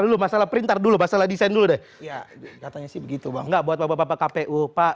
dulu masalah printer dulu masalah desain udah ya katanya sih begitu nggak buat bapak kpu pak